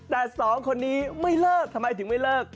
แต่สองคนนี้ไม่เลิกทำไมถึงไม่เลิก